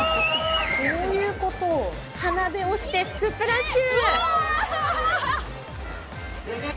鼻で押して、スプラッシュ。